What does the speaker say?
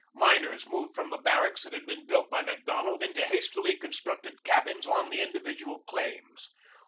Miners moved from the barracks that had been built by Macdonald into hastily constructed cabins on the individual claims.